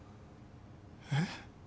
えっ？